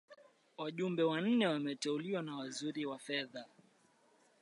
wajumbe wanne wanateuliwa na waziri wa fedha